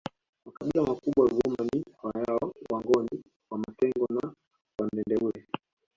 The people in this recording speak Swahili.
Makabila makubwa Ruvuma ni Wayao Wangoni Wamatengo na Wandendeule